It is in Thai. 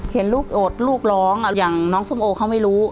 เห็นลูกอดลูกร้องอย่างน้องส้มโอเขาไม่รู้